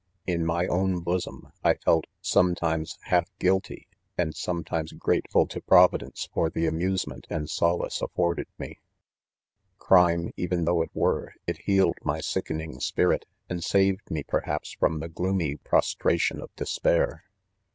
In my own bosom I felt sometimes half guilty, and sometimes grateful to providence for the amusement and solace afforded me. Crime, even though it were, it healed my sickening spirit, and sav ecLme r jiei haps 3 from the gloomy prostration of des pair.